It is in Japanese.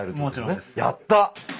やった。